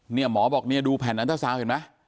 เนี่ยหมอบอกดูแผ่นอันเตอร์ซาวเห็นไหม